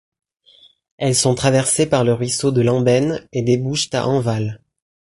Elles sont traversées par le ruisseau de l'Ambène et débouchent à Enval.